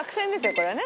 これはね。